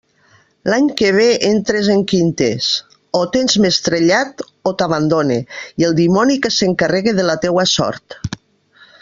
L'any que ve entres en quintes; o tens més trellat o t'abandone, i el dimoni que s'encarregue de la teua sort.